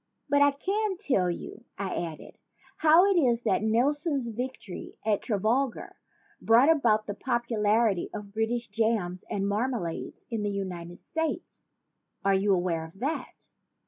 "But I can tell you," I added, "how it is that Nelson's victory at Trafalgar brought about the popularity of British jams and marmalades in the United States. Are you aware of that?"